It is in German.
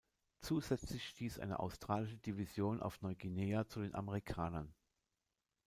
Zusätzlich stieß eine australische Division auf Neuguinea zu den Amerikanern.